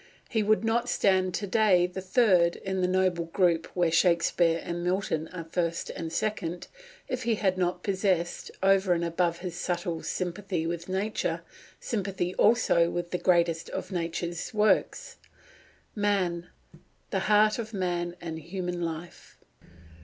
He would not stand to day the third in the noble group where Shakespeare and Milton are first and second, if he had not possessed, over and above his subtle sympathy with Nature, sympathy also with the greatest of Nature's works, "man, the heart of man, and human life."